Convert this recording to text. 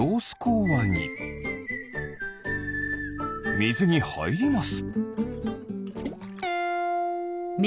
みずにはいります。